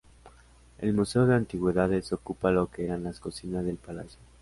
El Museo de Antigüedades ocupa lo que eran las cocinas del palacio.